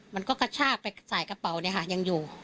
มันก็กระชากไปใส่กระเป๋าเนี่ยค่ะยังอยู่